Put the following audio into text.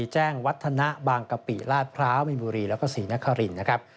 แจ้งวัฒนะบางกะปิลาดพร้าวมีนบุรีแล้วก็ศรีนครินนะครับ